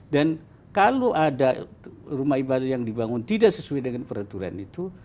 dan kalau ada rumah ibadah yang dibangun tidak sesuai dengan peraturan itu